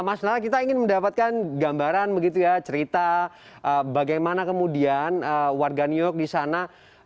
mas nara kita ingin mendapatkan gambaran begitu ya cerita bagaimana kemudian warga new york di sana